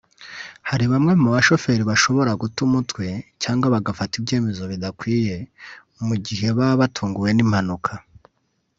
Hari bamwe mu bashoferi bashobora guta umutwe cyangwa bagafata ibyemezo bidakwiye mu gihe baba batunguwe n’impanuka